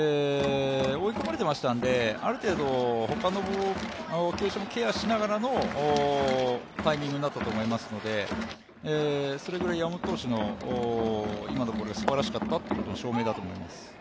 追い込まれていましたので、ある程度ほかの球種もケアしながらのタイミングになったと思うので、それぐらい山本投手の今の投球がすばらしかったということの証明だと思います。